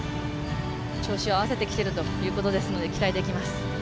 調子を合わせてきているということですので期待できます。